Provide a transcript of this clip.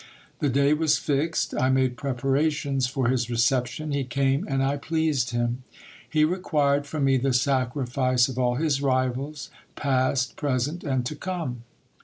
The day was fixed. I made preparations for his reception : he came, and I pleased him. He required from me the sacrifice of all his rivals, past, present, and to come.